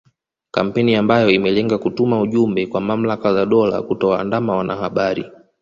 Kampeni ambayo imelenga kutuma ujumbe kwa mamlaka za dola kutowaandama wanahabari